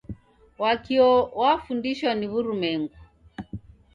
Wakio wafundishwa ni wurumwengu.